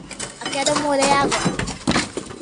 Aquela mulher agora